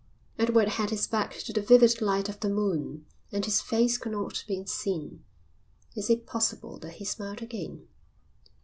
Edward had his back to the vivid light of the moon and his face could not be seen. Is it possible that he smiled again?